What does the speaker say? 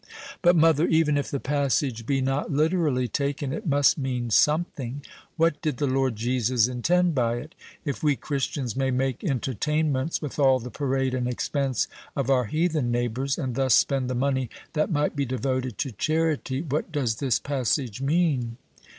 "But, mother, even if the passage be not literally taken, it must mean something. What did the Lord Jesus intend by it? If we Christians may make entertainments with all the parade and expense of our heathen neighbors, and thus spend the money that might be devoted to charity, what does this passage mean?"